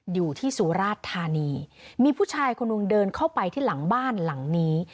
อยู่ที่สุราชธานีมีผู้ชายคนหนึ่งเดินเข้าไปที่หลังบ้านหลังนี้